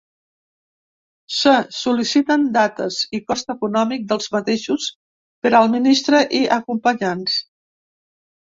Se sol·liciten dates i cost econòmic dels mateixos per al ministre i acompanyants.